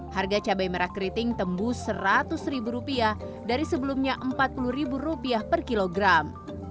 harga cabai merah keriting tembus rp seratus dari sebelumnya rp empat puluh per kilogram